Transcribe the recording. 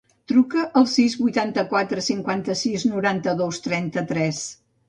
Truca al sis, vuitanta-quatre, cinquanta-sis, noranta-dos, trenta-tres.